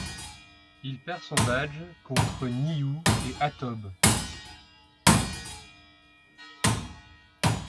Il perd son badge contre Niou et Atobe.